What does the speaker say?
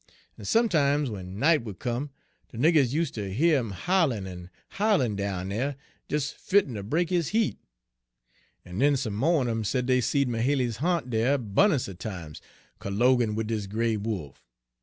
En sometimes, w'en night Page 192 would come, de niggers useter heah him howlin' en howlin' down dere, des fittin' ter break his hea't. En den some mo' un 'em said dey seed Mahaly's ha'nt dere 'bun'ance er times, colloguin' wid dis gray wolf.